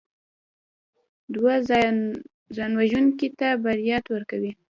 دوی ځانوژونکي ته برائت ورکوي